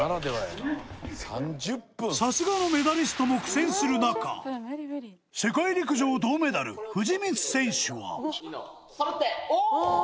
さすがのメダリストも苦戦する中世界陸上銅メダル藤光選手は１２の３おー！